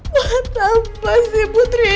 kenapa sih putri itu